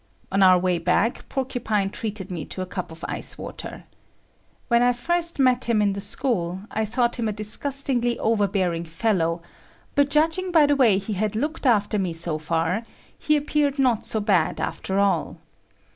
On our way back Porcupine treated me to a cup of ice water. When I first met him in the school, I thought him a disgustingly overbearing fellow, but judging by the way he had looked after me so far, he appeared not so bad after all.